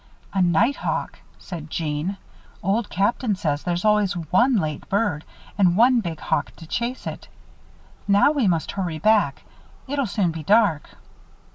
"A night hawk," said Jeanne. "Old Captain says there's always one late bird and one big hawk to chase it. Now we must hurry back it'll soon be dark."